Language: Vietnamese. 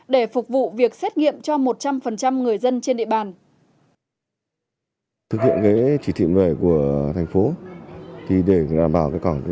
để phục vụ việc xét nghiệm cho một trăm linh người dân trên địa bàn